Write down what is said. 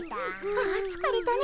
ああつかれたね。